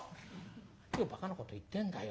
「何をバカなこと言ってんだよ